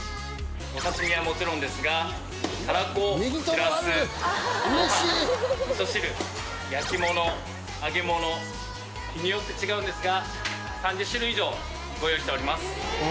お刺身はもちろんですがたらこシラスご飯みそ汁焼き物揚げ物日によって違うんですが３０種類以上ご用意しております。